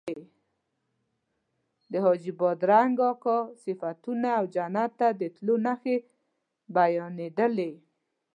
د حاجي بادرنګ اکا صفتونه او جنت ته د تلو نښې بیانېدلې.